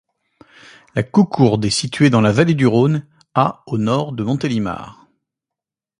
La Coucourde est situé dans la vallée du Rhône, à au nord de Montélimar.